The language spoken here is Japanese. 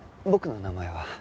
僕の名前は。